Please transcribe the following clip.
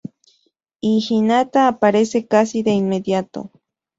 Y Hinata aparece casi de inmediato.